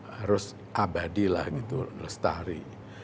harus abadi lah gitu lestari